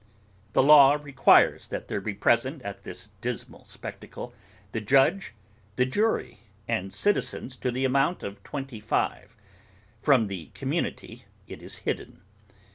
The law requires that there be present at this dismal spectacle, the judge, the jury, and citizens to the amount of twenty five. From the community it is hidden.